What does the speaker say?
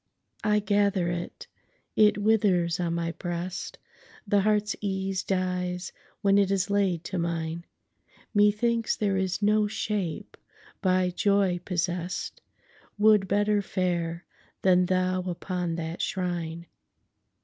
I gather it—It withers on my breast; The heart's ease dies when it is laid to mine; Methinks there is no shape by joy possess'dWould better fare than thou upon that shrine.